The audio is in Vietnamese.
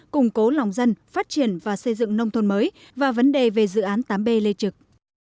củng cố lòng dân phát triển và xây dựng nông thôn mới và vấn đề về dự án tám b lê trực